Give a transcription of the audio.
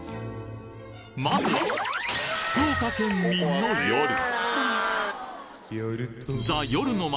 まずは福岡県民の夜ザ・夜の街